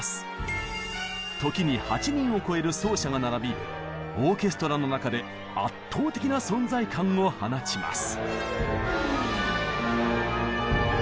時に８人を超える奏者が並びオーケストラの中で圧倒的な存在感を放ちます。